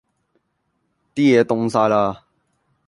啲野凍曬啦!